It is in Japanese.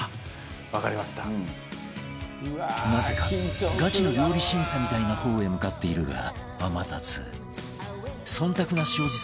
なぜかガチの料理審査みたいな方へ向かっているが天達忖度なしおじさん